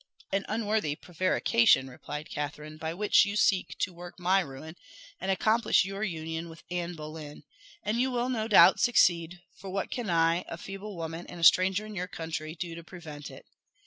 "An unworthy prevarication," replied Catherine, "by which you seek to work my ruin, and accomplish your union with Anne Boleyn. And you will no doubt succeed; for what can I, a feeble woman, and a stranger in your country, do to prevent it?